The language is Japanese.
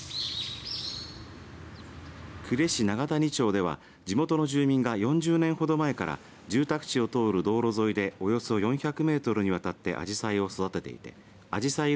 呉市長谷町では地元の住民が４０年ほど前から住宅地を通る道路沿いでおよそ４００メートルにわたってあじさいを育てていてあじさい